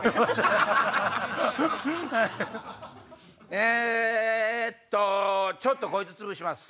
えっとちょっとこいつつぶします。